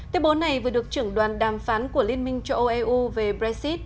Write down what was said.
tuyên bố này vừa được trưởng đoàn đàm phán của liên minh châu âu eu về brexit